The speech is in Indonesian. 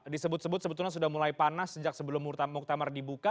disebut sebut sebetulnya sudah mulai panas sejak sebelum muktamar dibuka